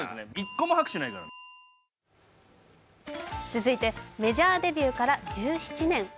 続いて、メジャーデビューから１７年。